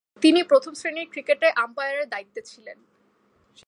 তিনি প্রথম-শ্রেণীর ক্রিকেটে আম্পায়ারের দায়িত্বে ছিলেন।